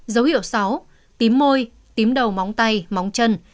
dấu hiệu sáu tím môi tím đầu móng tay móng chân